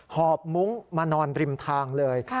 หอบมุ้งมานอนริมทางเลย